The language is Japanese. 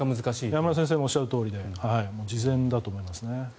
山村先生もおっしゃるとおりで事前だと思いますね。